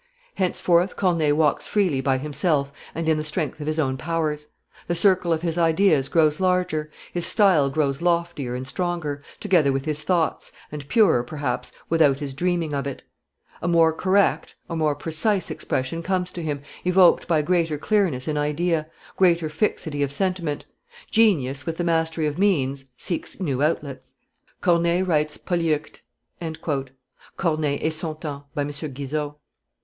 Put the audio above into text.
"Henceforth Corneille walks freely by himself and in the strength of his own powers; the circle of his ideas grows larger, his style grows loftier and stronger, together with his thoughts, and purer, perhaps, without his dreaming of it; a more correct, a more precise expression comes to him, evoked by greater clearness in idea, greater fixity of sentiment; genius, with the mastery of means, seeks new outlets. Corneille writes Polyeucte." [Corneille et son Temps, by M. Guizot.